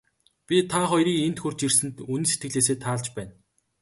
Би та хоёрын энд хүрч ирсэнд үнэн сэтгэлээсээ таалж байна.